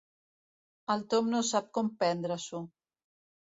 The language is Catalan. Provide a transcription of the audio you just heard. El Tom no sap com prendre-s'ho.